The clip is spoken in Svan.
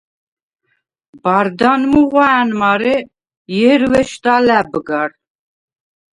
ბარდან მუღვა̄̈ნ, მარე ჲერვეშდ ალა̈ბ გარ.